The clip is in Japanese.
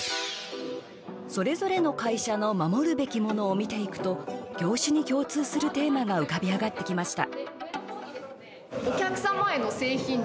それぞれの会社の守るべきものを見ていくと業種に共通するテーマが浮かび上がってきました。